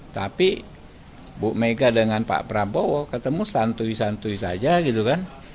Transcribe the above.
tapi bu mega dengan pak prabowo ketemu santui santui saja gitu kan